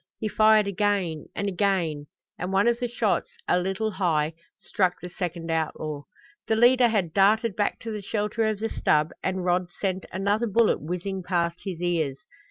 He fired again, and again, and one of the shots, a little high, struck the second outlaw. The leader had darted back to the shelter of the stub and Rod sent another bullet whizzing past his ears.